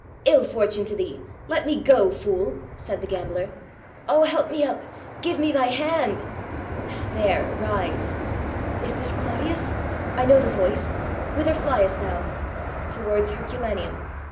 ''Ill fortune to thee, — let me go, fool!" said the gambler. " "Oh, help me up! — give me thy hand!" "There — rise!" "Is this Clodius? I know the voice! Whither fliest thou?" "Towards Herculaneum."